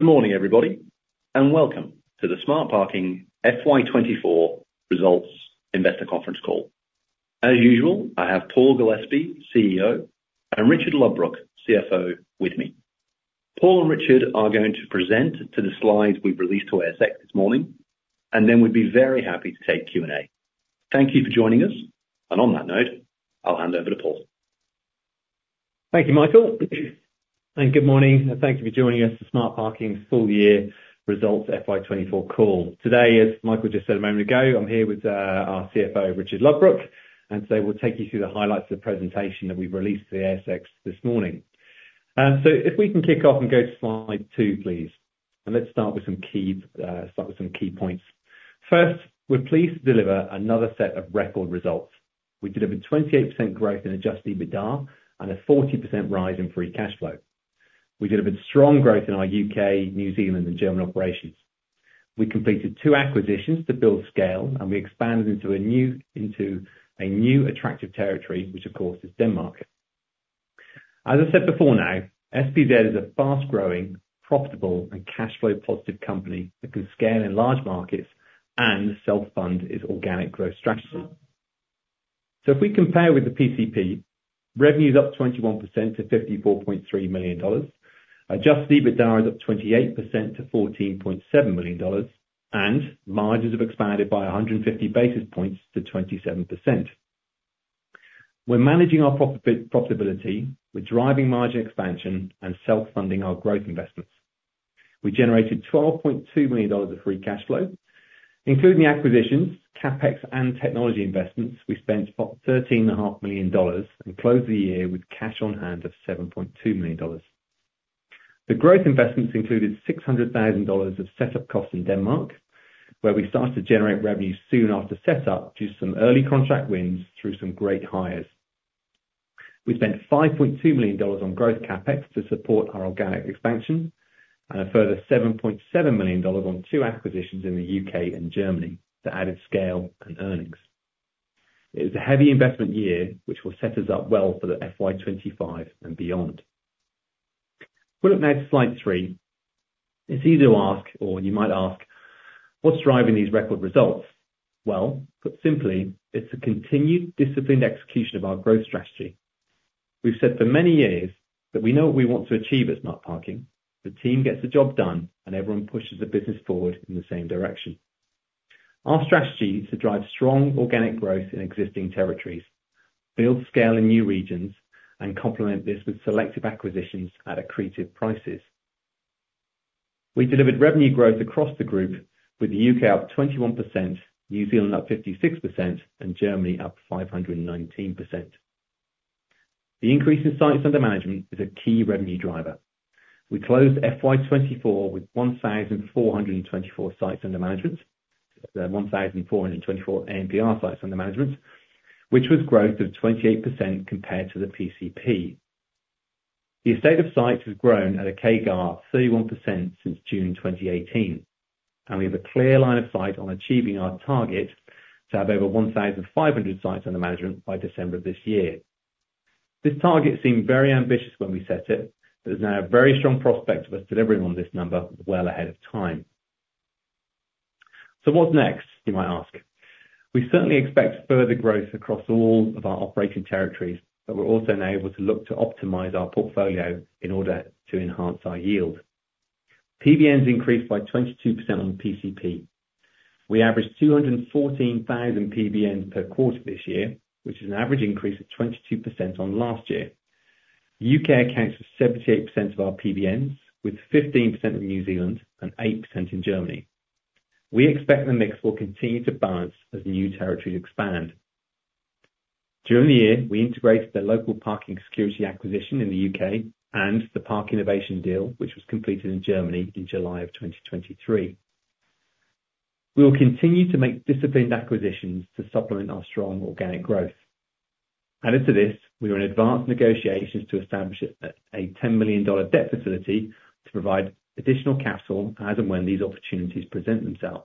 Good morning, everybody, and welcome to the Smart Parking FY 2024 results investor conference call. As usual, I have Paul Gillespie, CEO, and Richard Ludbrook, CFO, with me. Paul and Richard are going to present to the slides we've released to ASX this morning, and then we'd be very happy to take Q&A. Thank you for joining us, and on that note, I'll hand over to Paul. Thank you, Michael, and good morning, and thank you for joining us for Smart Parking's full year results FY 2024 call. Today, as Michael just said a moment ago, I'm here with our CFO, Richard Ludbrook, and today we'll take you through the highlights of the presentation that we've released to the ASX this morning. So if we can kick off and go to slide two, please, and let's start with some key points. First, we're pleased to deliver another set of record results. We delivered 28% growth in Adjusted EBITDA and a 40% rise in free cash flow. We delivered strong growth in our UK, New Zealand, and German operations. We completed two acquisitions to build scale, and we expanded into a new attractive territory, which, of course, is Denmark. As I said before now, SPZ is a fast-growing, profitable, and cash flow-positive company that can scale in large markets and self-fund its organic growth strategy. So if we compare with the PCP, revenue is up 21% to 54.3 million dollars. Adjusted EBITDA is up 28% to 14.7 million dollars, and margins have expanded by 150 basis points to 27%. We're managing our profitability. We're driving margin expansion and self-funding our growth investments. We generated 12.2 million dollars of free cash flow, including the acquisitions, CapEx, and technology investments. We spent about 13.5 million dollars and closed the year with cash on hand of 7.2 million dollars. The growth investments included 600,000 dollars of setup costs in Denmark, where we started to generate revenue soon after set up due to some early contract wins through some great hires. We spent 5.2 million dollars on growth CapEx to support our organic expansion and a further 7.7 million dollars on two acquisitions in the UK and Germany to add its scale and earnings. It was a heavy investment year, which will set us up well for the FY25 and beyond. Put up now to slide three. It's easy to ask, or you might ask: What's driving these record results? Well, put simply, it's a continued disciplined execution of our growth strategy. We've said for many years that we know what we want to achieve at Smart Parking. The team gets the job done, and everyone pushes the business forward in the same direction. Our strategy is to drive strong organic growth in existing territories, build scale in new regions, and complement this with selective acquisitions at accretive prices. We delivered revenue growth across the group, with the UK up 21%, New Zealand up 56%, and Germany up 519%. The increase in sites under management is a key revenue driver. We closed FY 2024 with 1,424 sites under management, 1,424 ANPR sites under management, which was growth of 28% compared to the PCP. The estate of sites has grown at a CAGR of 31% since June 2018, and we have a clear line of sight on achieving our target to have over 1,500 sites under management by December of this year. This target seemed very ambitious when we set it, but there's now a very strong prospect of us delivering on this number well ahead of time. "So what's next?" you might ask. We certainly expect further growth across all of our operating territories, but we're also now able to look to optimize our portfolio in order to enhance our yield. PBNs increased by 22% on PCP. We averaged 214,000 PBNs per quarter this year, which is an average increase of 22% on last year. UK accounts for 78% of our PBNs, with 15% in New Zealand and 8% in Germany. We expect the mix will continue to balance as new territories expand. During the year, we integrated the Local Parking Security acquisition in the UK and the ParkInnovation deal, which was completed in Germany in July of 2023. We will continue to make disciplined acquisitions to supplement our strong organic growth. Added to this, we are in advanced negotiations to establish a 10 million dollar debt facility to provide additional capital as and when these opportunities present themselves.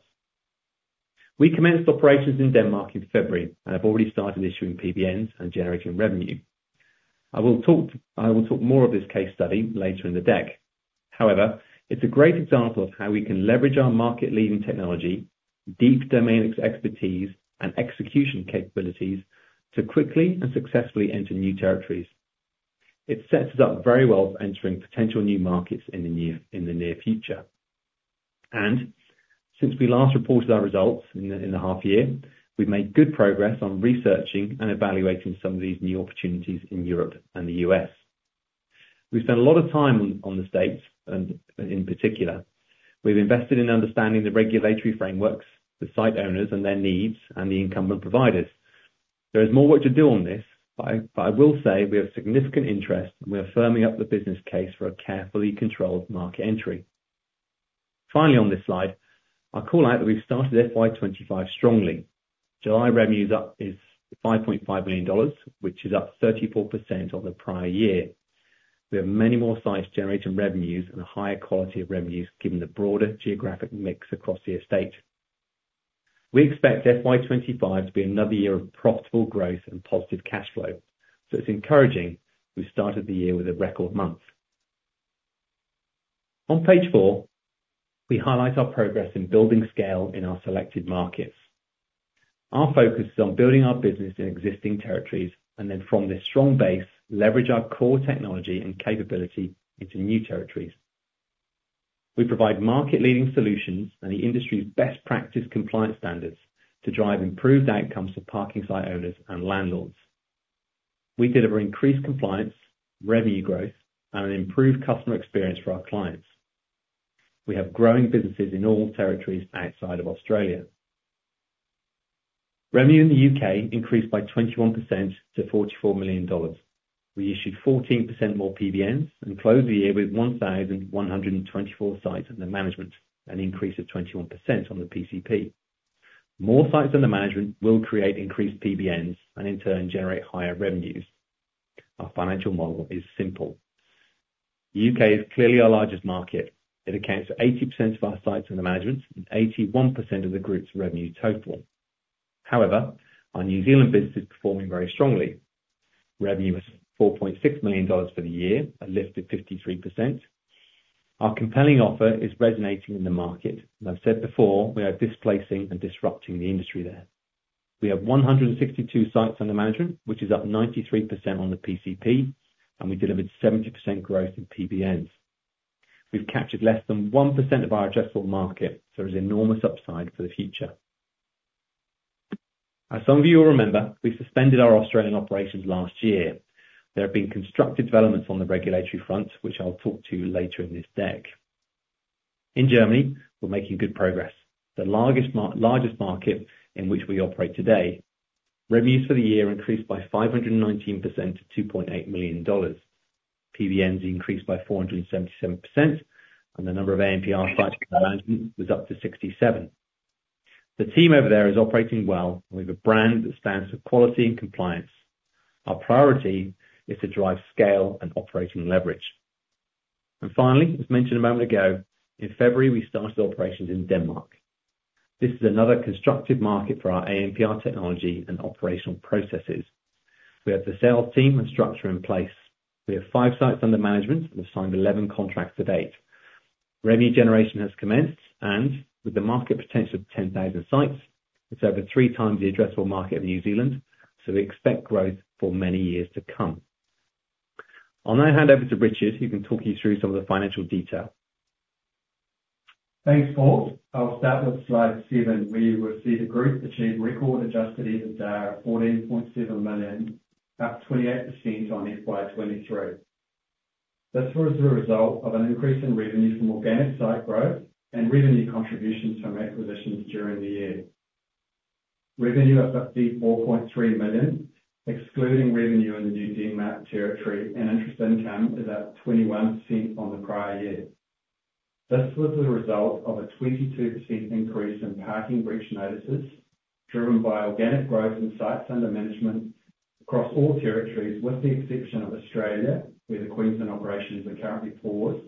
We commenced operations in Denmark in February and have already started issuing PBNs and generating revenue. I will talk more of this case study later in the deck. However, it's a great example of how we can leverage our market-leading technology, deep domains expertise, and execution capabilities to quickly and successfully enter new territories. It sets us up very well for entering potential new markets in the near future. And since we last reported our results in the half year, we've made good progress on researching and evaluating some of these new opportunities in Europe and the U.S. We've spent a lot of time on the States, and in particular, we've invested in understanding the regulatory frameworks, the site owners and their needs, and the incumbent providers. There is more work to do on this, but I will say we have significant interest, and we are firming up the business case for a carefully controlled market entry. Finally, on this slide, I'll call out that we've started FY25 strongly. July revenue is up, is 5.5 million dollars, which is up 34% on the prior year. We have many more sites generating revenues and a higher quality of revenues, given the broader geographic mix across the estate. We expect FY25 to be another year of profitable growth and positive cash flow, so it's encouraging. We started the year with a record month. On page four, we highlight our progress in building scale in our selected markets. Our focus is on building our business in existing territories, and then from this strong base, leverage our core technology and capability into new territories. We provide market-leading solutions and the industry's best practice compliance standards, to drive improved outcomes for parking site owners and landlords. We deliver increased compliance, revenue growth, and an improved customer experience for our clients. We have growing businesses in all territories outside of Australia. Revenue in the UK increased by 21% to 44 million dollars. We issued 14% more PBNs, and closed the year with 1,124 sites under management, an increase of 21% on the PCP. More sites under management will create increased PBNs, and in turn, generate higher revenues. Our financial model is simple. UK is clearly our largest market. It accounts for 80% of our sites under management and 81% of the group's revenue total. However, our New Zealand business is performing very strongly. Revenue was 4.6 million dollars for the year, a lift of 53%. Our compelling offer is resonating in the market, and I've said before, we are displacing and disrupting the industry there. We have 162 sites under management, which is up 93% on the PCP, and we delivered 70% growth in PBNs. We've captured less than 1% of our addressable market, so there's enormous upside for the future. As some of you will remember, we suspended our Australian operations last year. There have been constructive developments on the regulatory front, which I'll talk to you later in this deck. In Germany, we're making good progress. The largest market in which we operate today. Revenues for the year increased by 519% to 2.8 million dollars. PBNs increased by 477%, and the number of ANPR sites under management was up to 67. The team over there is operating well. We have a brand that stands for quality and compliance. Our priority is to drive scale and operational leverage. Finally, as mentioned a moment ago, in February, we started operations in Denmark. This is another constructive market for our ANPR technology and operational processes. We have the sales team and structure in place. We have five sites under management and have signed 11 contracts to date. Revenue generation has commenced, and with the market potential of 10,000 sites, it's over three times the addressable market in New Zealand, so we expect growth for many years to come. I'll now hand over to Richard, who can talk you through some of the financial detail. Thanks, Paul. I'll start with slide 7, where you will see the group achieve record adjusted EBITDA of 14.7 million, up 28% on FY 2023. This was the result of an increase in revenue from organic site growth and revenue contributions from acquisitions during the year. Revenue of 54.3 million, excluding revenue in the new Denmark territory and interest income, is up 21% on the prior year. This was the result of a 22% increase in parking breach notices, driven by organic growth in sites under management across all territories, with the exception of Australia, where the Queensland operations are currently paused,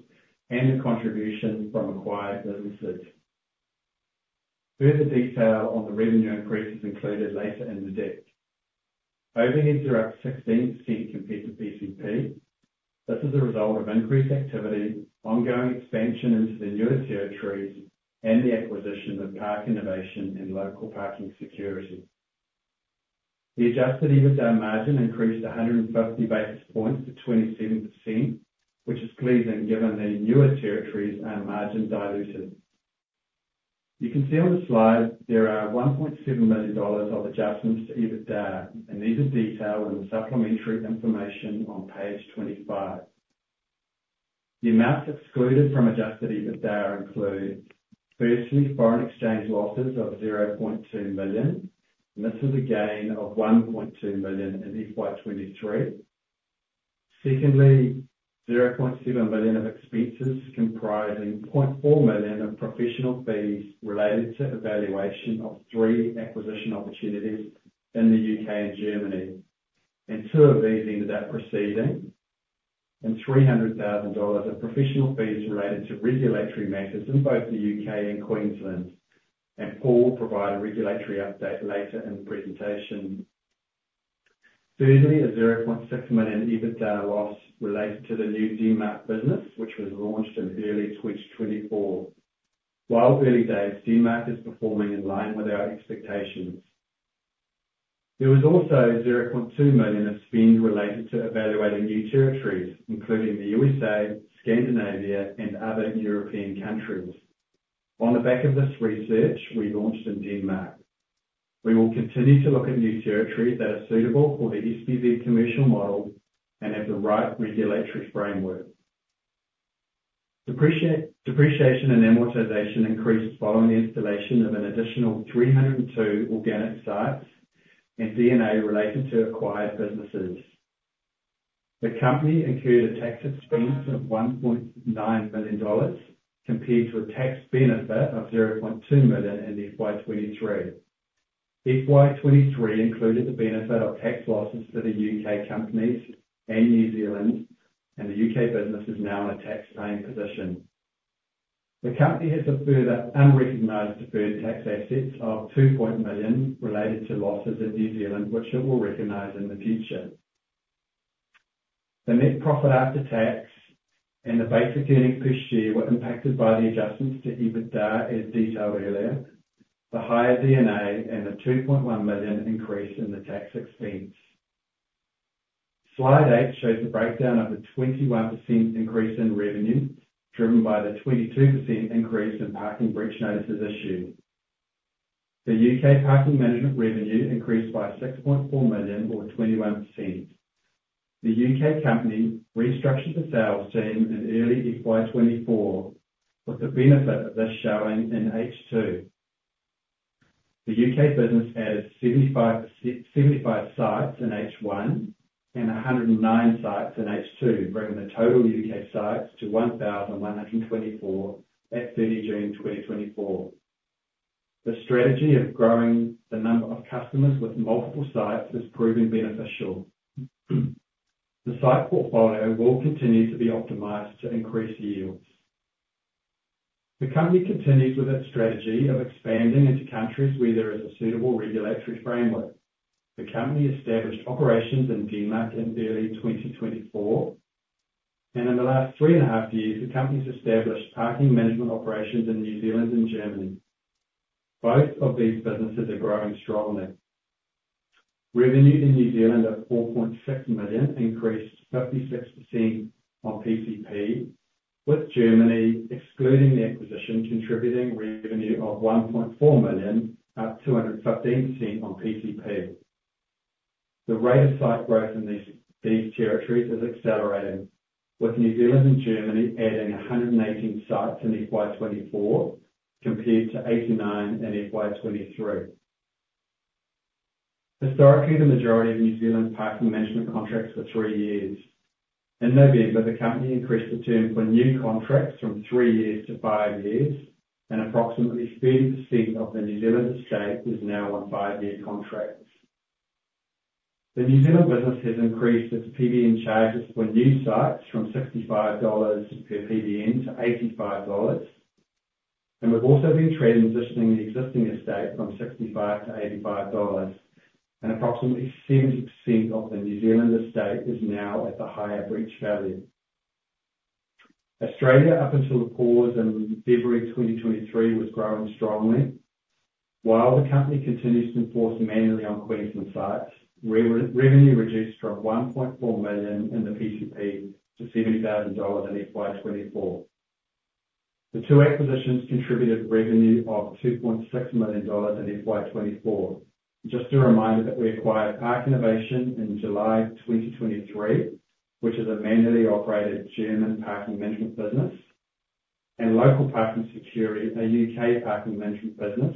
and the contribution from acquired businesses. Further detail on the revenue increase is included later in the deck. Overheads are up 16% compared to PCP. This is a result of increased activity, ongoing expansion into the newer territories, and the acquisition of ParkInnovation and Local Parking Security. The adjusted EBITDA margin increased one hundred and fifty basis points to 27%, which is pleasing given the newer territories are margin dilutive. You can see on the slide there are 1.7 million dollars of adjustments to EBITDA, and these are detailed in the supplementary information on page 25. The amounts excluded from adjusted EBITDA include, firstly, foreign exchange losses of 0.2 million, and this is a gain of 1.2 million in FY23. Secondly, 0.7 million of expenses, comprising 0.4 million of professional fees related to evaluation of three acquisition opportunities in the UK and Germany, and two of these ended up proceeding. 300,000 dollars of professional fees related to regulatory matters in both the U.K. and Queensland. Paul will provide a regulatory update later in the presentation. Thirdly, an 0.6 million EBITDA loss related to the new Denmark business, which was launched in early 2024. While early days, Denmark is performing in line with our expectations. There was also 0.2 million of spend related to evaluating new territories, including the USA, Scandinavia, and other European countries. On the back of this research, we launched in Denmark. We will continue to look at new territories that are suitable for the SPZ commercial model and have the right regulatory framework. Depreciation and amortization increased following the installation of an additional 302 organic sites and D&A related to acquired businesses. The company incurred a tax expense of AUD 1.9 million, compared to a tax benefit of AUD 0.2 million in FY 2023. FY 2023 included the benefit of tax losses to the UK companies and New Zealand, and the UK business is now in a tax-paying position. The company has a further unrecognized deferred tax assets of 2 million related to losses in New Zealand, which it will recognize in the future. The net profit after tax and the basic earnings per share were impacted by the adjustments to EBITDA, as detailed earlier, the higher D&A and the 2.1 million increase in the tax expense. Slide 8 shows the breakdown of the 21% increase in revenue, driven by the 22% increase in parking breach notices issued. The UK parking management revenue increased by 6.4 million, or 21%. The UK company restructured the sales team in early FY24, with the benefit of this showing in H2. The UK business added 75 sites in H1 and 109 sites in H2, bringing the total UK sites to 1,124 at 30 June 2024. The strategy of growing the number of customers with multiple sites has proven beneficial. The site portfolio will continue to be optimized to increase yields. The company continues with its strategy of expanding into countries where there is a suitable regulatory framework. The company established operations in Denmark in early 2024, and in the last three and a half years, the company's established parking management operations in New Zealand and Germany. Both of these businesses are growing strongly. Revenue in New Zealand at 4.6 million, increased 56% on PCP, with Germany excluding the acquisition, contributing revenue of 1.4 million at 215% on PCP. The rate of site growth in these territories is accelerating, with New Zealand and Germany adding 118 sites in FY 2024, compared to 89 in FY 2023. Historically, the majority of New Zealand's parking management contracts are three years. In November, the company increased the term for new contracts from three years to five years, and approximately 30% of the New Zealand estate is now on five-year contracts. The New Zealand business has increased its PBN charges for new sites from 65 dollars per PBN to 85 dollars, and we've also been transitioning the existing estate from 65 to 85 dollars, and approximately 70% of the New Zealand estate is now at the higher breach value. Australia, up until the pause in February 2023, was growing strongly. While the company continues to enforce manually on Queensland sites, revenue reduced from 1.4 million in the PCP to 70,000 dollars in FY24. The two acquisitions contributed revenue of 2.6 million dollars in FY24. Just a reminder that we acquired ParkInnovation in July 2023, which is a manually operated German parking management business, and Local Parking Security, a U.K. parking management business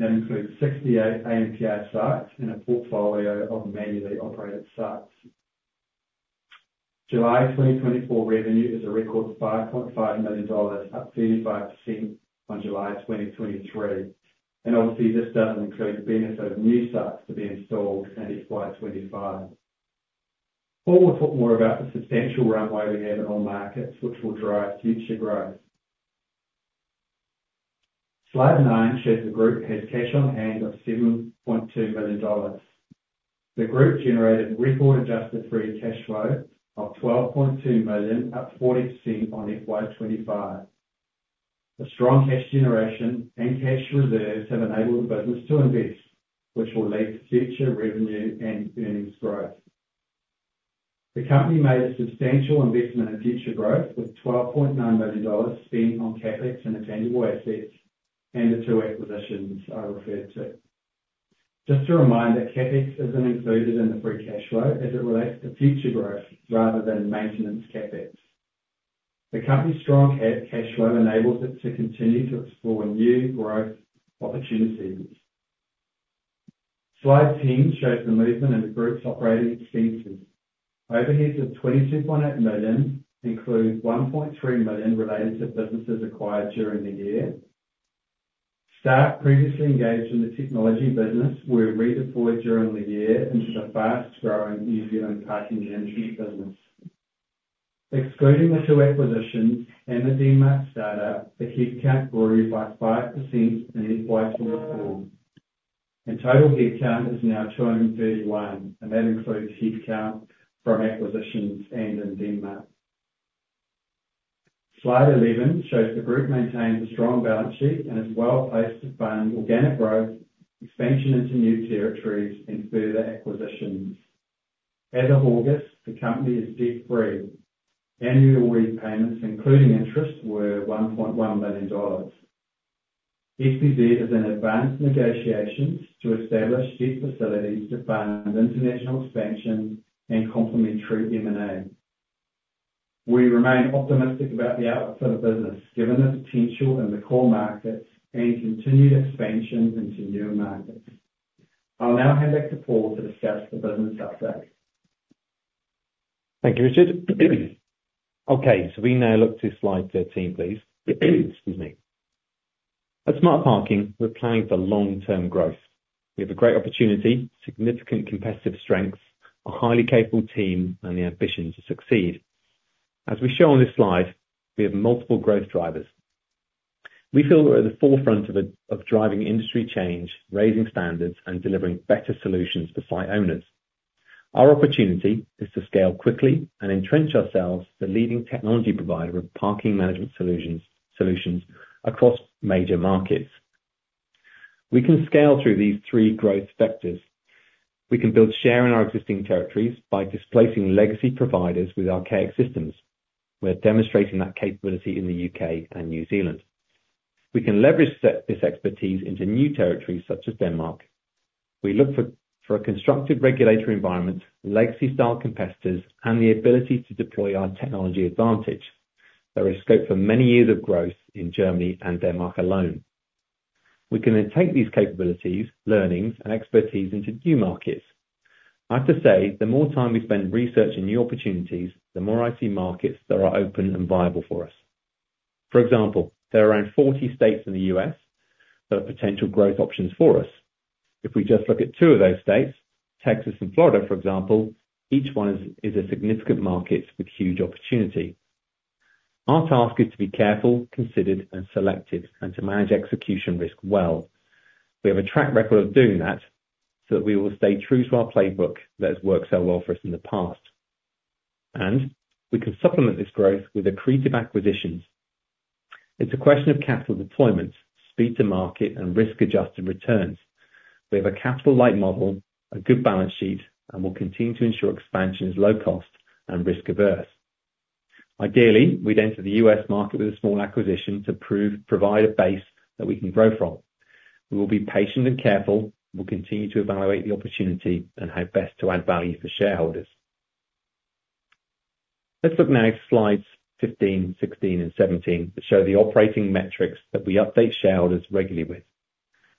that includes 68 ANPR sites and a portfolio of manually operated sites. July 2024 revenue is a record of 5.5 million dollars, up 35% on July 2023, and obviously this doesn't include the benefit of new sites to be installed in FY25. Paul will talk more about the substantial runway we have in all markets, which will drive future growth. Slide nine shows the group has cash on hand of 7.2 million dollars. The group generated record adjusted free cash flow of 12.2 million, up 40% on FY25. The strong cash generation and cash reserves have enabled the business to invest, which will lead to future revenue and earnings growth. The company made a substantial investment in future growth, with 12.9 million dollars spent on CapEx and intangible assets, and the two acquisitions I referred to. Just to remind, that CapEx isn't included in the free cash flow as it relates to future growth rather than maintenance CapEx. The company's strong cash flow enables it to continue to explore new growth opportunities. Slide 10 shows the movement in the group's operating expenses. Overheads of 22.8 million include 1.3 million related to businesses acquired during the year. Staff previously engaged in the technology business were redeployed during the year into the fast-growing New Zealand parking management business. Excluding the two acquisitions and the Denmark startup, the headcount grew by 5% in FY24, and total headcount is now 231, and that includes headcount from acquisitions and in Denmark. Slide 11 shows the group maintains a strong balance sheet and is well-placed to fund organic growth, expansion into new territories, and further acquisitions. As of August, the company is debt-free. Annual repayments, including interest, were 1.1 million dollars. SPZ is in advanced negotiations to establish debt facilities to fund international expansion and complementary M&A. We remain optimistic about the outlook for the business, given the potential in the core markets and continued expansion into new markets. I'll now hand back to Paul to discuss the business update.... Thank you, Richard. Okay, so we now look to slide 13, please. Excuse me. At Smart Parking, we're planning for long-term growth. We have a great opportunity, significant competitive strengths, a highly capable team, and the ambition to succeed. As we show on this slide, we have multiple growth drivers. We feel we're at the forefront of driving industry change, raising standards, and delivering better solutions for site owners. Our opportunity is to scale quickly and entrench ourselves the leading technology provider of parking management solutions across major markets. We can scale through these three growth vectors. We can build share in our existing territories by displacing legacy providers with archaic systems. We're demonstrating that capability in the U.K. and New Zealand. We can leverage this expertise into new territories such as Denmark. We look for a constructive regulatory environment, legacy-style competitors, and the ability to deploy our technology advantage. There is scope for many years of growth in Germany and Denmark alone. We can then take these capabilities, learnings, and expertise into new markets. I have to say, the more time we spend researching new opportunities, the more I see markets that are open and viable for us. For example, there are around 40 states in the U.S. that are potential growth options for us. If we just look at 2 of those states, Texas and Florida, for example, each one is a significant market with huge opportunity. Our task is to be careful, considered, and selective, and to manage execution risk well. We have a track record of doing that, so we will stay true to our playbook that has worked so well for us in the past. We can supplement this growth with accretive acquisitions. It's a question of capital deployment, speed to market, and risk-adjusted returns. We have a capital-light model, a good balance sheet, and we'll continue to ensure expansion is low cost and risk averse. Ideally, we'd enter the U.S. market with a small acquisition to provide a base that we can grow from. We will be patient and careful. We'll continue to evaluate the opportunity and how best to add value for shareholders. Let's look now at slides 15, 16, and 17, that show the operating metrics that we update shareholders regularly with.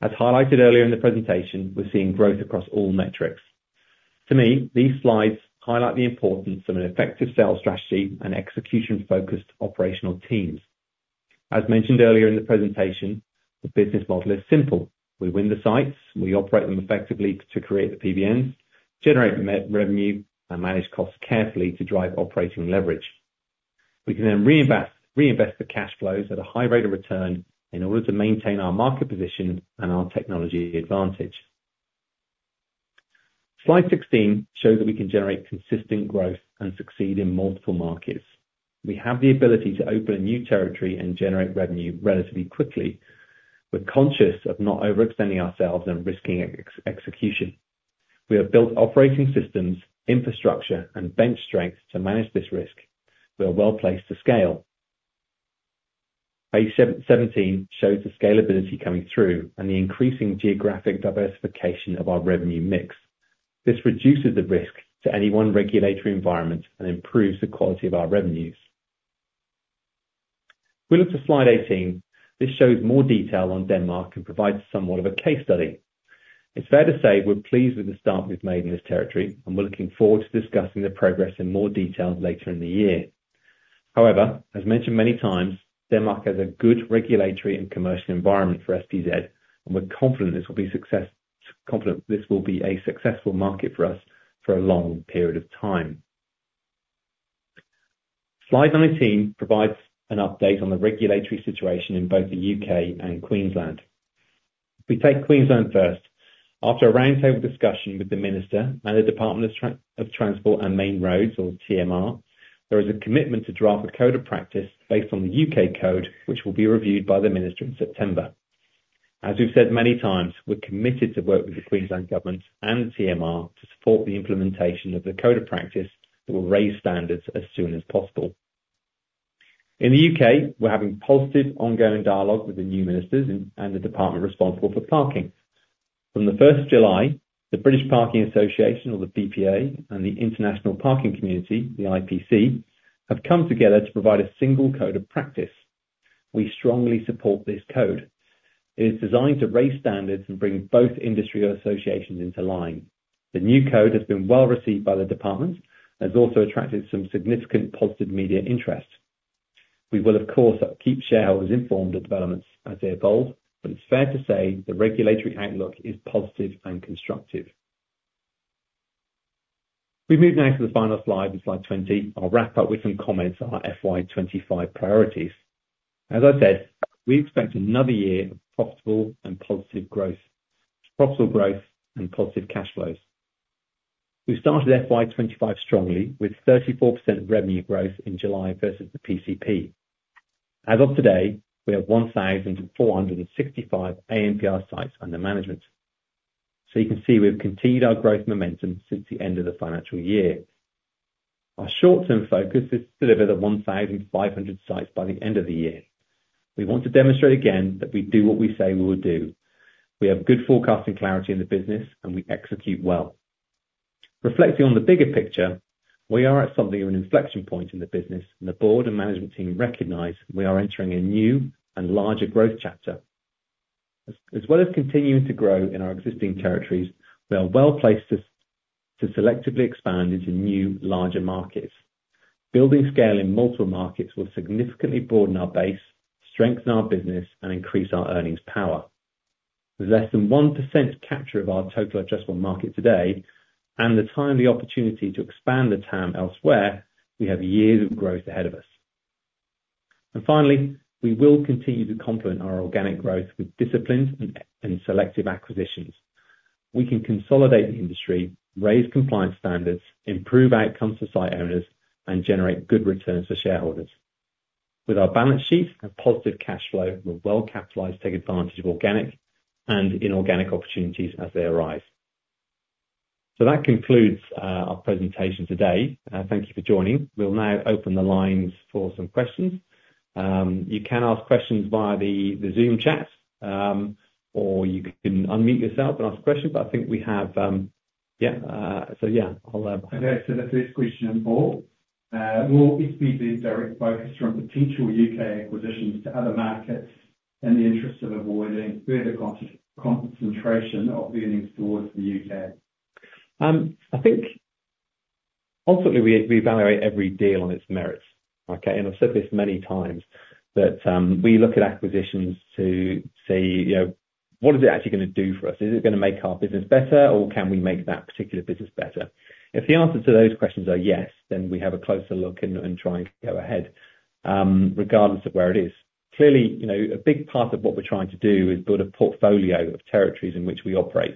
As highlighted earlier in the presentation, we're seeing growth across all metrics. To me, these slides highlight the importance of an effective sales strategy and execution-focused operational teams. As mentioned earlier in the presentation, the business model is simple: we win the sites, we operate them effectively to create the PBNs, generate the revenue, and manage costs carefully to drive operating leverage. We can then reinvest the cash flows at a high rate of return in order to maintain our market position and our technology advantage. Slide 16 shows that we can generate consistent growth and succeed in multiple markets. We have the ability to open a new territory and generate revenue relatively quickly. We're conscious of not overextending ourselves and risking execution. We have built operating systems, infrastructure, and bench strength to manage this risk. We are well placed to scale. Page 17 shows the scalability coming through and the increasing geographic diversification of our revenue mix. This reduces the risk to any one regulatory environment and improves the quality of our revenues. If we look to slide 18, this shows more detail on Denmark and provides somewhat of a case study. It's fair to say we're pleased with the start we've made in this territory, and we're looking forward to discussing the progress in more detail later in the year. However, as mentioned many times, Denmark has a good regulatory and commercial environment for SPZ, and we're confident this will be a successful market for us for a long period of time. Slide 19 provides an update on the regulatory situation in both the U.K. and Queensland. If we take Queensland first, after a roundtable discussion with the minister and the Department of Transport and Main Roads, or TMR, there is a commitment to draft a Code of Practice based on the U.K. Code of Practice, which will be reviewed by the minister in September. As we've said many times, we're committed to work with the Queensland Government and TMR to support the implementation of the code of practice that will raise standards as soon as possible. In the UK, we're having positive, ongoing dialogue with the new ministers and the department responsible for parking. From the first of July, the British Parking Association, or the BPA, and the International Parking Community, the IPC, have come together to provide a single code of practice. We strongly support this code. It is designed to raise standards and bring both industry associations into line. The new code has been well received by the department and has also attracted some significant positive media interest. We will, of course, keep shareholders informed of developments as they evolve, but it's fair to say the regulatory outlook is positive and constructive. We move now to the final slide, slide 20. I'll wrap up with some comments on our FY25 priorities. As I said, we expect another year of profitable and positive growth, profitable growth and positive cash flows. We started FY25 strongly, with 34% revenue growth in July versus the PCP. As of today, we have 1,465 ANPR sites under management. So you can see we've continued our growth momentum since the end of the financial year. Our short-term focus is to deliver the 1,500 sites by the end of the year. We want to demonstrate again that we do what we say we will do. We have good forecasting clarity in the business, and we execute well. Reflecting on the bigger picture, we are at something of an inflection point in the business, and the board and management team recognize we are entering a new and larger growth chapter. As well as continuing to grow in our existing territories, we are well-placed to selectively expand into new, larger markets. Building scale in multiple markets will significantly broaden our base, strengthen our business, and increase our earnings power. With less than 1% capture of our total addressable market today, and the timely opportunity to expand the TAM elsewhere, we have years of growth ahead of us, and finally, we will continue to complement our organic growth with disciplined and selective acquisitions. We can consolidate the industry, raise compliance standards, improve outcomes for site owners, and generate good returns for shareholders. With our balance sheet and positive cash flow, we're well-capitalized to take advantage of organic and inorganic opportunities as they arise. So that concludes our presentation today. Thank you for joining. We'll now open the lines for some questions. You can ask questions via the Zoom chat, or you can unmute yourself and ask a question, but I think we have yeah. So yeah, I'll Okay, so the first question on board. Will SPZ direct focus from potential UK acquisitions to other markets, in the interest of avoiding further concentration of earnings towards the UK? I think ultimately, we evaluate every deal on its merits, okay? And I've said this many times, but we look at acquisitions to see, you know, what is it actually gonna do for us? Is it gonna make our business better, or can we make that particular business better? If the answers to those questions are yes, then we have a closer look and try and go ahead, regardless of where it is. Clearly, you know, a big part of what we're trying to do is build a portfolio of territories in which we operate.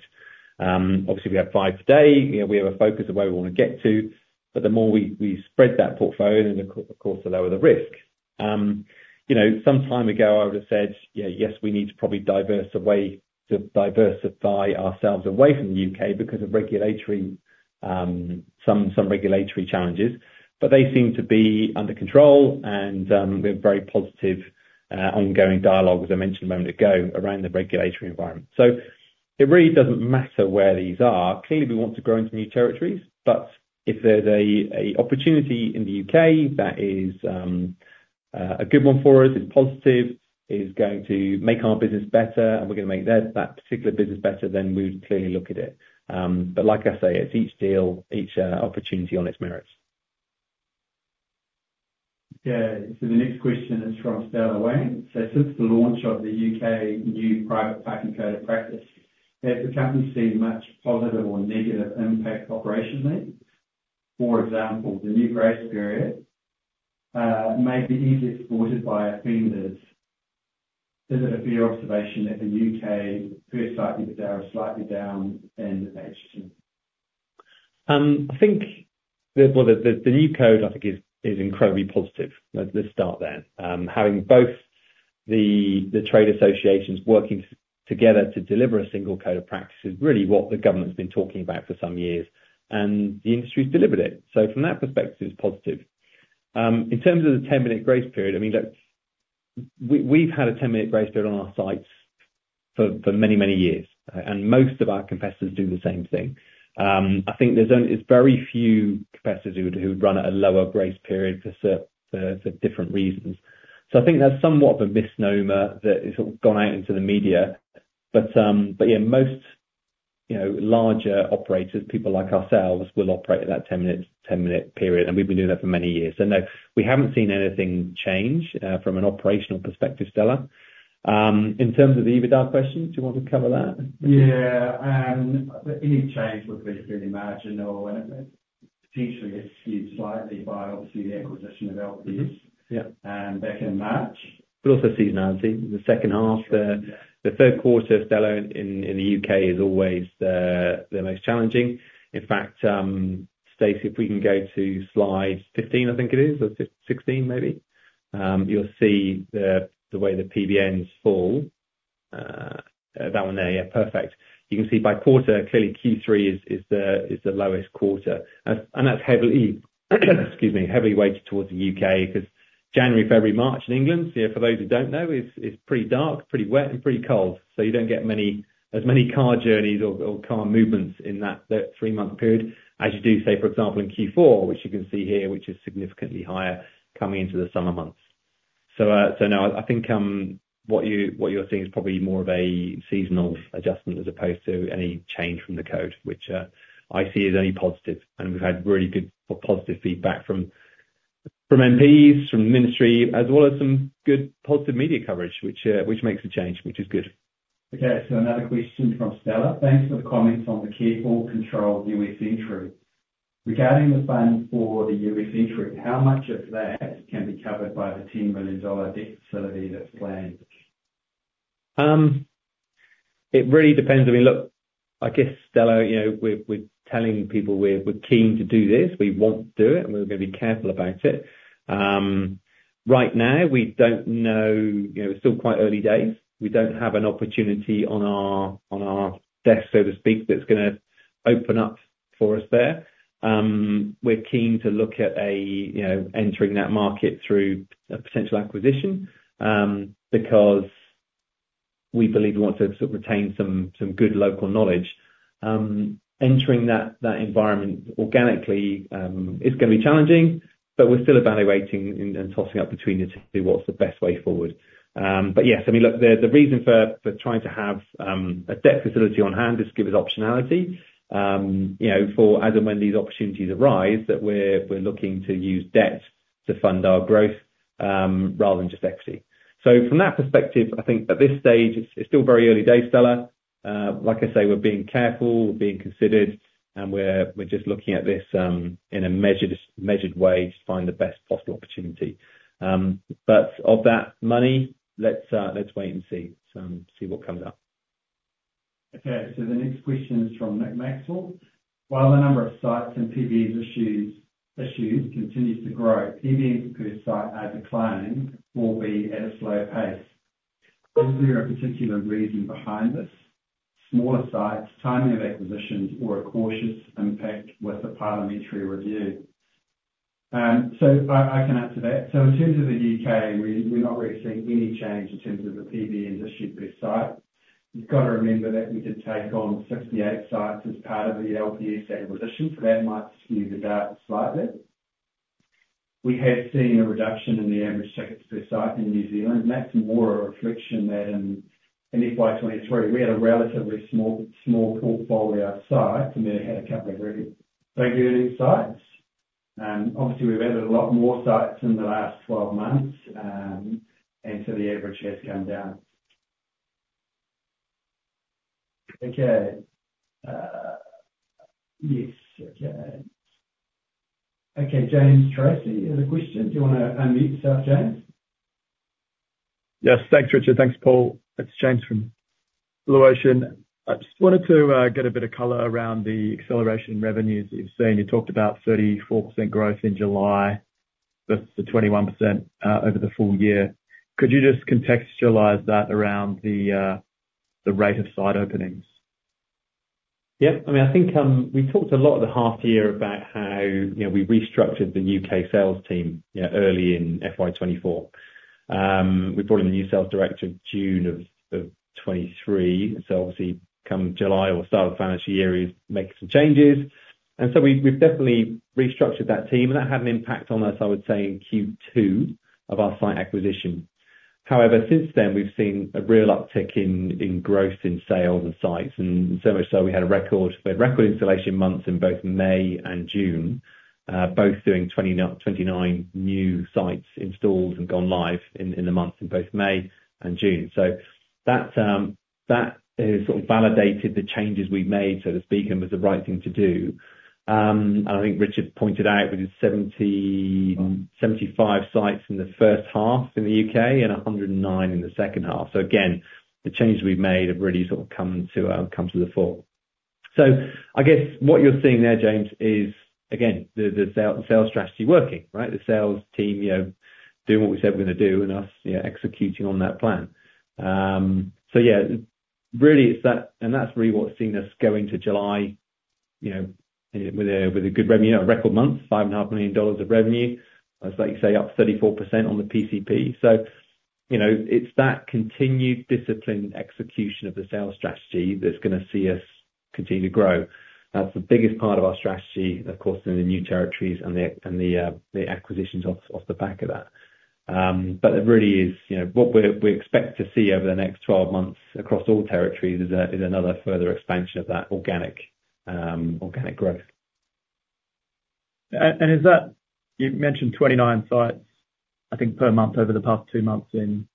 Obviously, we have five today. You know, we have a focus of where we wanna get to, but the more we spread that portfolio, then of course, the lower the risk. You know, some time ago, I would've said, yeah, yes, we need to probably diversify away... to diversify ourselves away from the UK because of regulatory, some regulatory challenges, but they seem to be under control, and we have very positive, ongoing dialogue, as I mentioned a moment ago, around the regulatory environment. So it really doesn't matter where these are. Clearly, we want to grow into new territories, but if there's a opportunity in the UK that is, a good one for us, it's positive, it's going to make our business better, and we're gonna make their, that particular business better, then we'll clearly look at it. But like I say, it's each deal, each opportunity on its merits. Yeah. So the next question is from Stella Wang. So since the launch of the UK new private parking code of practice, has the company seen much positive or negative impact operationally? For example, the new grace period may be easily exploited by offenders. Is it a fair observation that the UK pre-sightings are slightly down than expected? I think the new Code, I think is incredibly positive. Let's start there. Having both the trade associations working together to deliver a single Code of Practice is really what the government's been talking about for some years, and the industry's delivered it, so from that perspective, it's positive. In terms of the 10-minute grace period, I mean, look, we've had a 10-minute grace period on our sites for many years, and most of our competitors do the same thing. I think it's very few competitors who would run at a lower grace period for certain, for different reasons, so I think that's somewhat of a misnomer, that it's sort of gone out into the media. But yeah, most, you know, larger operators, people like ourselves, will operate at that ten-minute period, and we've been doing that for many years. So no, we haven't seen anything change from an operational perspective, Stella. In terms of the EBITDA question, do you want to cover that? Yeah, any change would be pretty marginal, and potentially it's skewed slightly by, obviously, the acquisition of LPS- Mm-hmm. Yeah… and back in March. But also seasonality. The second half, the- Yeah... the third quarter, Stella, in the U.K., is always the most challenging. In fact, Stacy, if we can go to slide 15, I think it is, or 16, maybe? You'll see the way the PBNs fall. That one there. Yeah, perfect. You can see by quarter, clearly Q3 is the lowest quarter. And that's heavily, excuse me, heavily weighted towards the U.K., 'cause January, February, March, in England, you know, for those who don't know, is pretty dark, pretty wet, and pretty cold, so you don't get as many car journeys or car movements in that three-month period, as you do, say, for example, in Q4, which you can see here, which is significantly higher coming into the summer months. No, I think what you're seeing is probably more of a seasonal adjustment, as opposed to any change from the code, which I see as only positive, and we've had really good positive feedback from MPs, from the ministry, as well as some good positive media coverage, which makes a change, which is good. Okay, so another question from Stella: Thanks for the comments on the careful control of U.S. entry. Regarding the plan for the U.S. entry, how much of that can be covered by the 10 million dollar debt facility that's planned? It really depends. I mean, look, I guess, Stella, you know, we're telling people we're keen to do this. We want to do it, and we're gonna be careful about it. Right now, we don't know. You know, it's still quite early days. We don't have an opportunity on our desk, so to speak, that's gonna open up for us there. We're keen to look at, you know, entering that market through a potential acquisition, because we believe we want to sort of retain some good local knowledge. Entering that environment organically is gonna be challenging, but we're still evaluating and tossing up between the two, what's the best way forward. But yes, I mean, look, the reason for trying to have a debt facility on hand is to give us optionality. You know, for us, and when these opportunities arise, that we're looking to use debt to fund our growth, rather than just equity. So from that perspective, I think at this stage, it's still very early days, Stella. Like I say, we're being careful, we're being considered, and we're just looking at this in a measured way to find the best possible opportunity. But of that money, let's wait and see. So see what comes up. Okay, so the next question is from Nick Maxwell. While the number of sites and PBEs issued continues to grow, PBE per site are declining or be at a slow pace. Is there a particular reason behind this? Smaller sites, timing of acquisitions, or a cautious impact with the parliamentary review? So I can answer that. So in terms of the UK, we're not really seeing any change in terms of the PBE industry per site. You've got to remember that we did take on 68 sites as part of the LPS acquisition, so that might skew the data slightly. We have seen a reduction in the average circuits per site in New Zealand, and that's more a reflection that in FY 2023, we had a relatively small portfolio of sites, and then had a couple of very big earning sites. Obviously, we've added a lot more sites in the last twelve months, and so the average has come down. Okay. Yes. Okay. Okay, James Tracy has a question. Do you wanna unmute yourself, James? Yes. Thanks, Richard. Thanks, Paul. It's James from Blue Ocean. I just wanted to get a bit of color around the acceleration in revenues that you've seen. You talked about 34% growth in July. That's the 21% over the full year. Could you just contextualize that around the rate of site openings? Yep. I mean, I think, we talked a lot at the half year about how, you know, we restructured the UK sales team, you know, early in FY 2024. We brought in a new sales director in June of 2023. So obviously, come July or start of the financial year, he's making some changes. And so we've definitely restructured that team, and that had an impact on us, I would say, in Q2 of our site acquisition. However, since then, we've seen a real uptick in growth in sales and sites, and so much so, we had a record installation months in both May and June. Both doing twenty-nine new sites installed and gone live in the months in both May and June. So that that has sort of validated the changes we've made, so to speak, and was the right thing to do. And I think Richard pointed out, with his 75 sites in the first half in the UK and 109 in the second half. So again, the changes we've made have really sort of come to the fore. So I guess what you're seeing there, James, is again, the sales strategy working, right? The sales team, you know, doing what we said we're gonna do and us, yeah, executing on that plan. So yeah, really, it's that and that's really what's seen us go into July, you know, with a good revenue, a record month, 5.5 million dollars of revenue, as like you say, up 34% on the PCP. So, you know, it's that continued disciplined execution of the sales strategy that's gonna see us continue to grow. That's the biggest part of our strategy, of course, in the new territories and the acquisitions off the back of that. But it really is, you know, what we expect to see over the next 12 months across all territories is another further expansion of that organic growth. Is that... You mentioned 29 sites, I think, per month over the past two months in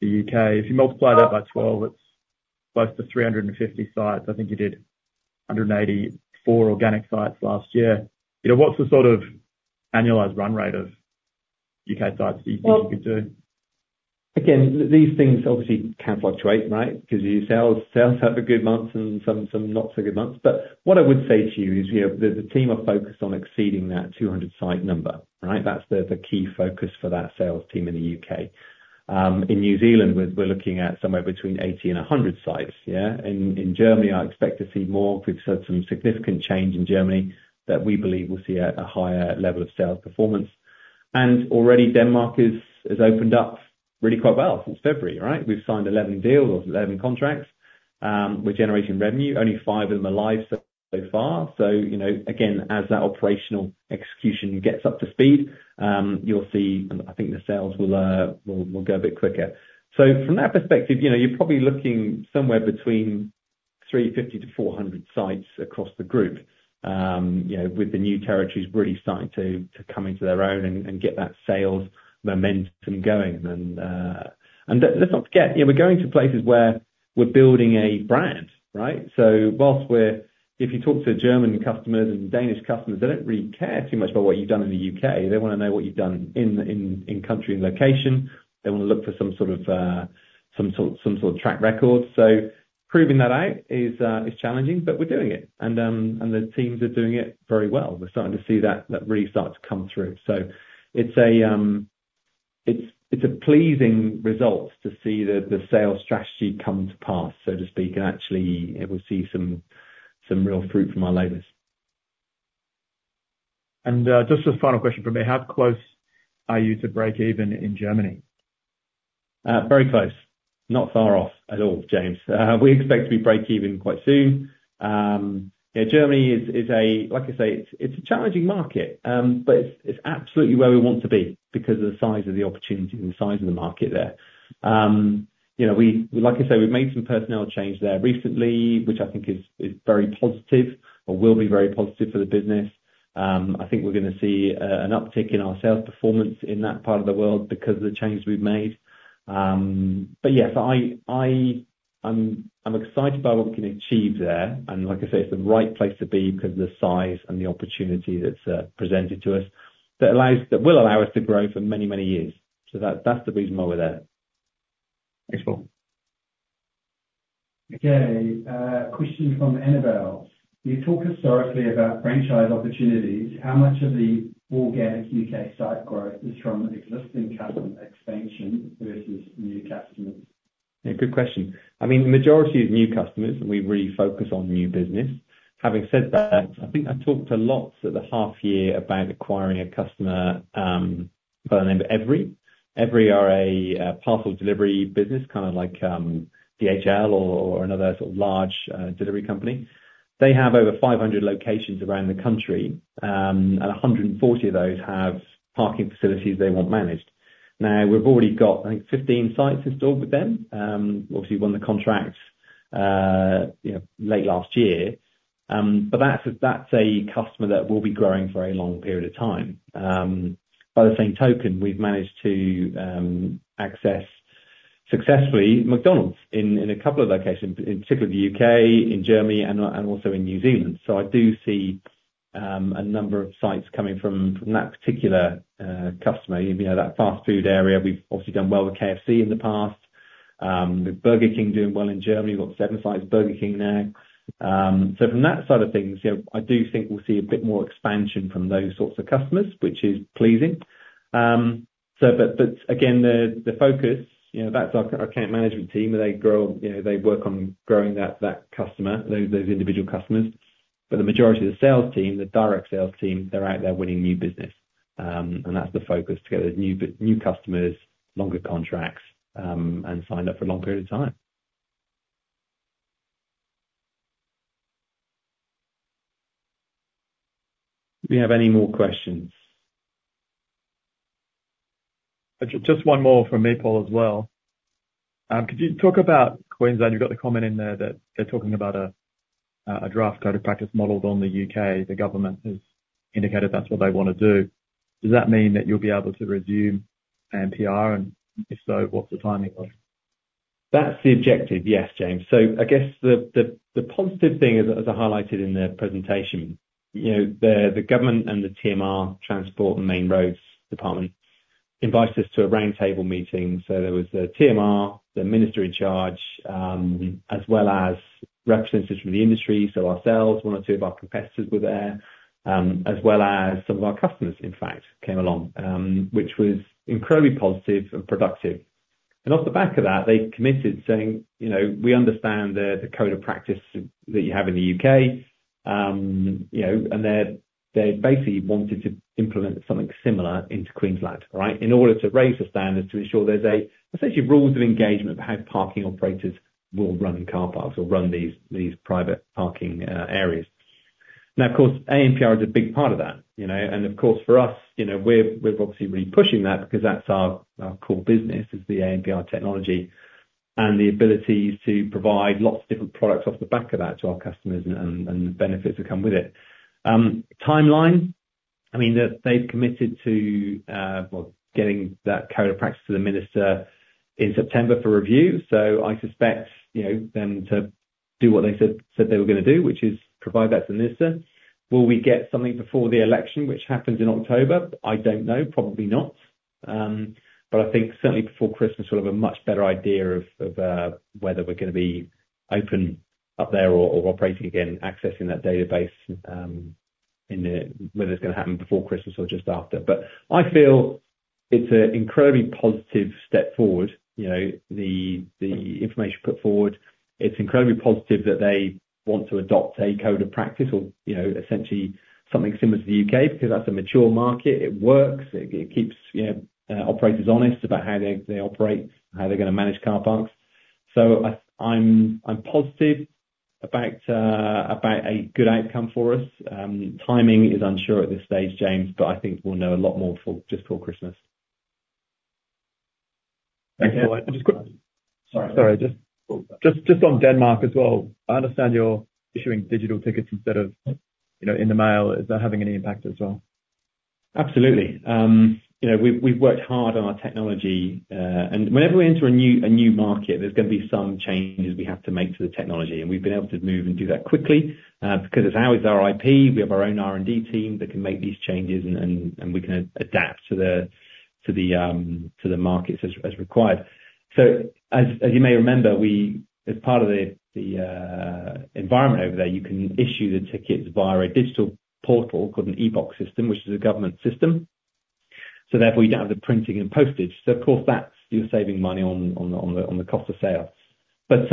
the UK. If you multiply that by 12, it's close to 350 sites. I think you did 184 organic sites last year. You know, what's the sort of annualized run rate of UK sites you think you could do? Again, these things obviously can fluctuate, right? Because your sales have a good month and some not so good months. But what I would say to you is, you know, the team are focused on exceeding that 200 site number, right? That's the key focus for that sales team in the UK. In New Zealand, we're looking at somewhere between 80 and 100 sites, yeah. In Germany, I expect to see more. We've seen some significant change in Germany that we believe will see a higher level of sales performance. And already Denmark is opened up really quite well since February, right? We've signed 11 deals or 11 contracts. We're generating revenue, only 5 of them are live so far. So, you know, again, as that operational execution gets up to speed, you'll see, I think the sales will go a bit quicker. So from that perspective, you know, you're probably looking somewhere between 350-400 sites across the group, you know, with the new territories really starting to come into their own and get that sales momentum going. And let's not forget, yeah, we're going to places where we're building a brand, right? So whilst we're. If you talk to German customers and Danish customers, they don't really care too much about what you've done in the UK. They wanna know what you've done in country and location. They wanna look for some sort of track record. So proving that out is challenging, but we're doing it. The teams are doing it very well. We're starting to see that really start to come through. It's a pleasing result to see the sales strategy come to pass, so to speak, and actually, we'll see some real fruit from our labors.... And, just a final question from me: How close are you to breakeven in Germany? Very close. Not far off at all, James. We expect to be breakeven quite soon. Yeah, Germany is a challenging market, like I say, but it's absolutely where we want to be, because of the size of the opportunity and the size of the market there. You know, like I say, we've made some personnel change there recently, which I think is very positive, or will be very positive for the business. I think we're gonna see an uptick in our sales performance in that part of the world because of the changes we've made. But yes, I'm excited by what we can achieve there, and like I said, it's the right place to be because of the size and the opportunity that's presented to us that will allow us to grow for many, many years. So that's the reason why we're there. Thanks, Paul. Okay, question from Annabelle: You talk historically about franchise opportunities. How much of the organic UK site growth is from existing customer expansion versus new customers? Yeah, good question. I mean, the majority is new customers, and we really focus on new business. Having said that, I think I talked a lot at the half year about acquiring a customer by the name of Evri. Evri are a parcel delivery business, kind of like DHL or another sort of large delivery company. They have over 500 locations around the country and 140 of those have parking facilities they want managed. Now, we've already got, I think, 15 sites installed with them. Obviously won the contract, you know, late last year. But that's a customer that will be growing for a very long period of time. By the same token, we've managed to access successfully McDonald's in a couple of locations, in particular the UK, in Germany, and also in New Zealand. So I do see a number of sites coming from that particular customer, you know, that fast food area. We've obviously done well with KFC in the past. With Burger King doing well in Germany, we've got seven sites, Burger King now. So from that side of things, you know, I do think we'll see a bit more expansion from those sorts of customers, which is pleasing. So but, but again, the focus, you know, that's our account management team, where they grow. You know, they work on growing that customer, those individual customers. But the majority of the sales team, the direct sales team, they're out there winning new business. And that's the focus, to get those new customers, longer contracts, and signed up for a long period of time. Do we have any more questions? Just one more from me, Paul, as well. Could you talk about Queensland? You've got the comment in there that they're talking about a draft code of practice modeled on the UK. The government has indicated that's what they want to do. Does that mean that you'll be able to resume ANPR, and if so, what's the timing on it? That's the objective, yes, James. So I guess the positive thing as I highlighted in the presentation, you know, the government and the TMR, Transport and Main Roads department, invited us to a roundtable meeting. So there was the TMR, the minister in charge, as well as representatives from the industry, so ourselves, one or two of our competitors were there, as well as some of our customers, in fact, came along, which was incredibly positive and productive. And off the back of that, they committed, saying, you know, "We understand the code of practice that you have in the UK." You know, and they basically wanted to implement something similar into Queensland, right? In order to raise the standards, to ensure there's essentially rules of engagement for how parking operators will run car parks or run these private parking areas. Now, of course, ANPR is a big part of that, you know? And of course, for us, you know, we're obviously really pushing that, because that's our core business is the ANPR technology, and the ability to provide lots of different products off the back of that to our customers and the benefits that come with it. Timeline, I mean, they, they've committed to, well, getting that Code of Practice to the minister in September for review. So I suspect, you know, them to do what they said they were gonna do, which is provide that to the minister. Will we get something before the election, which happens in October? I don't know. Probably not. But I think certainly before Christmas, we'll have a much better idea of, of, whether we're gonna be open up there or, or operating again, accessing that database, in the... whether it's gonna happen before Christmas or just after. But I feel it's an incredibly positive step forward. You know, the information put forward, it's incredibly positive that they want to adopt a Code of Practice or, you know, essentially something similar to the U.K., because that's a mature market. It works, it keeps, you know, operators honest about how they, they operate, how they're gonna manage car parks. So I, I'm positive about, about a good outcome for us. Timing is unsure at this stage, James, but I think we'll know a lot more before, just before Christmas. Thank you. I just got- Sorry. Just on Denmark as well, I understand you're issuing digital tickets instead of, you know, in the mail. Is that having any impact as well? Absolutely. You know, we've worked hard on our technology, and whenever we enter a new market, there's gonna be some changes we have to make to the technology, and we've been able to move and do that quickly, because as how it's our IP, we have our own R&D team that can make these changes, and we can adapt to the markets as required. So as you may remember, we, as part of the environment over there, you can issue the tickets via a digital portal called an e-Boks system, which is a government system. So therefore, you don't have the printing and postage. So of course, that's you're saving money on the cost of sale. But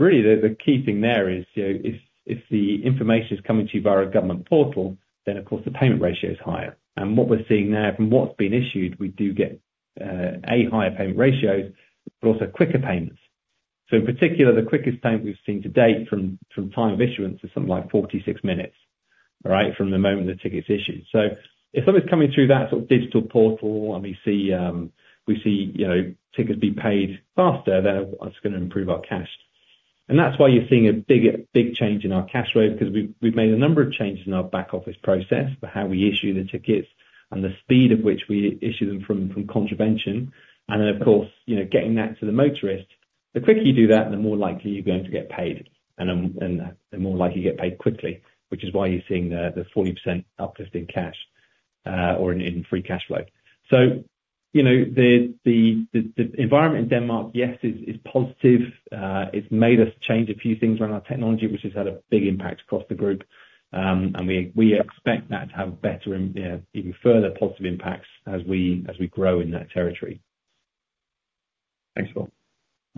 really, the key thing there is, you know, if the information is coming to you via a government portal, then of course, the payment ratio is higher. And what we're seeing now from what's been issued, we do get higher payment ratios, but also quicker payments. So in particular, the quickest payment we've seen to date from time of issuance is something like 46 minutes, right? From the moment the ticket is issued. So if something's coming through that sort of digital portal and we see, you know, tickets being paid faster, then that's gonna improve our cash. And that's why you're seeing a big, big change in our cash flow, because we've made a number of changes in our back office process for how we issue the tickets and the speed at which we issue them from contravention. And then, of course, you know, getting that to the motorist. The quicker you do that, the more likely you're going to get paid, and the more likely you get paid quickly, which is why you're seeing the 40% uplift in cash, or in free cash flow. So, you know, the environment in Denmark, yes, is positive. It's made us change a few things around our technology, which has had a big impact across the group. and we expect that to have better, even further positive impacts as we grow in that territory. Thanks, Paul.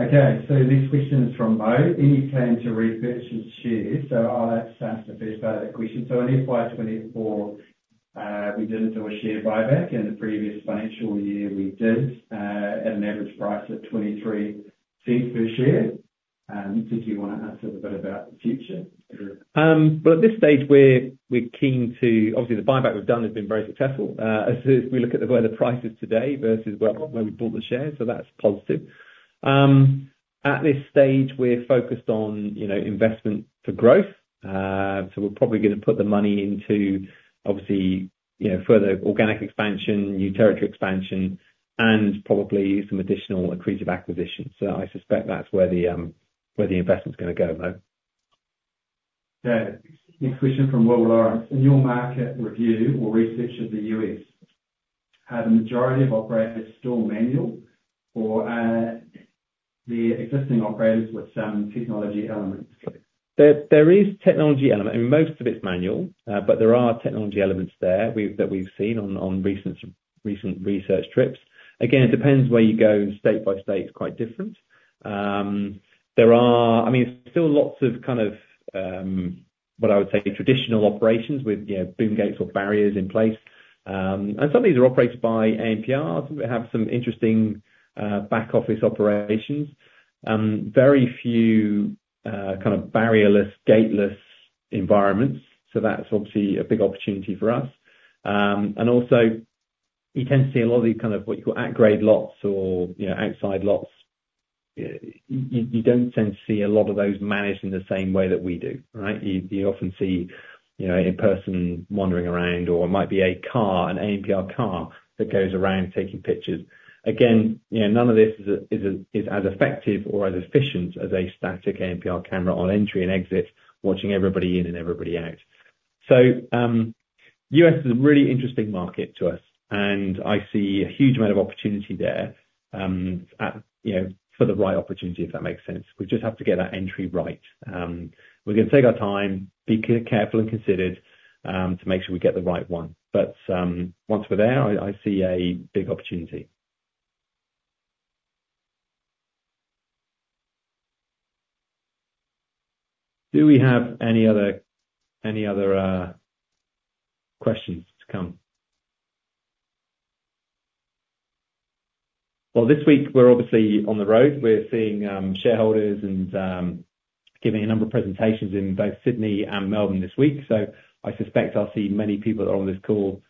Okay, so this question is from Mo: Any plan to repurchase shares? So I'll ask the first part of that question. So in FY 2024, we didn't do a share buyback. In the previous financial year, we did, at an average price of 0.23 per share. Did you want to answer a bit about the future? Well, at this stage, we're keen to-- Obviously, the buyback we've done has been very successful. As we look at where the price is today versus where we bought the shares, so that's positive. At this stage, we're focused on, you know, investment for growth. So we're probably gonna put the money into, obviously, you know, further organic expansion, new territory expansion, and probably some additional accretive acquisitions. So I suspect that's where the investment's gonna go, Mo. Yeah. Next question from Will Lawrence: In your market review or research of the U.S., are the majority of operators still manual or, the existing operators with some technology elements? There is a technology element, and most of it's manual, but there are technology elements there that we've seen on recent research trips. Again, it depends where you go, state by state; it's quite different. There are. I mean, still lots of kind of what I would say traditional operations with you know boom gates or barriers in place, and some of these are operated by ANPRs. We have some interesting back office operations. Very few kind of barrier-less, gateless environments, so that's obviously a big opportunity for us, and also you tend to see a lot of these kind of what you call at-grade lots or you know outside lots. You don't tend to see a lot of those managed in the same way that we do, right? You often see, you know, a person wandering around, or it might be a car, an ANPR car that goes around taking pictures. Again, you know, none of this is as effective or as efficient as a static ANPR camera on entry and exit, watching everybody in and everybody out. So, U.S. is a really interesting market to us, and I see a huge amount of opportunity there. You know, for the right opportunity, if that makes sense. We just have to get that entry right. We're gonna take our time, be careful and considered, to make sure we get the right one. But, once we're there, I see a big opportunity. Do we have any other questions to come? Well, this week we're obviously on the road. We're seeing shareholders and giving a number of presentations in both Sydney and Melbourne this week. So I suspect I'll see many people on this call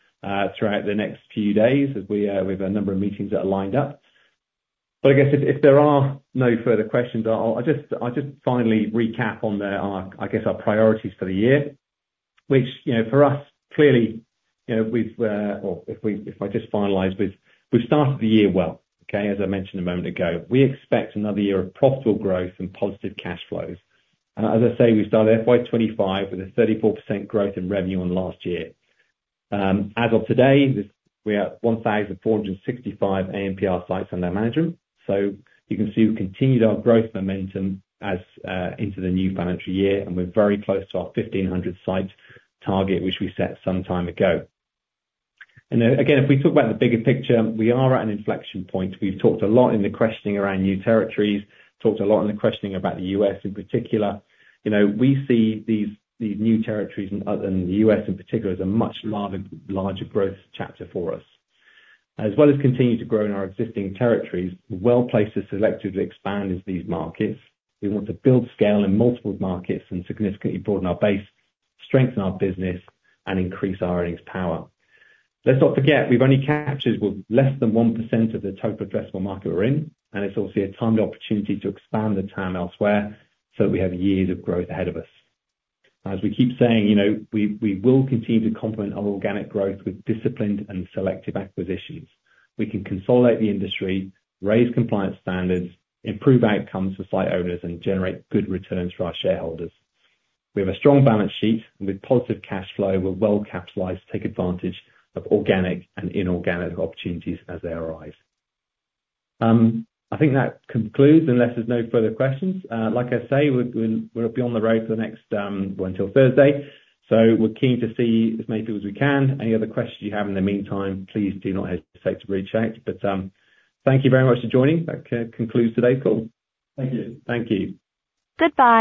throughout the next few days, as we, we've a number of meetings that are lined up. But I guess if, if there are no further questions, I'll, I'll just, I'll just finally recap on the, our, I guess, our priorities for the year, which, you know, for us, clearly, you know, we've, if I just finalize with, we've started the year well, okay? As I mentioned a moment ago, we expect another year of profitable growth and positive cash flows, and as I say, we've started FY 2025 with a 34% growth in revenue on last year. As of today, this, we are at 1,465 ANPR sites under management. You can see we've continued our growth momentum as into the new financial year, and we're very close to our 1,500 sites target, which we set some time ago. Again, if we talk about the bigger picture, we are at an inflection point. We've talked a lot in the questioning around new territories, talked a lot in the questioning about the U.S. in particular. You know, we see these, these new territories and other, and the U.S. in particular, as a much larger, larger growth chapter for us. As well as continuing to grow in our existing territories, we're well-placed to selectively expand into these markets. We want to build scale in multiple markets and significantly broaden our base, strengthen our business, and increase our earnings power. Let's not forget, we've only captured what, less than 1% of the total addressable market we're in, and it's obviously a timely opportunity to expand the town elsewhere, so we have years of growth ahead of us. As we keep saying, you know, we will continue to complement our organic growth with disciplined and selective acquisitions. We can consolidate the industry, raise compliance standards, improve outcomes for site owners, and generate good returns for our shareholders. We have a strong balance sheet, and with positive cash flow, we're well-capitalized to take advantage of organic and inorganic opportunities as they arise. I think that concludes, unless there's no further questions. Like I say, we're gonna be on the road for the next, well, until Thursday, so we're keen to see as many people as we can. Any other questions you have in the meantime, please do not hesitate to reach out. But, thank you very much for joining. That concludes today's call. Thank you. Thank you. Goodbye.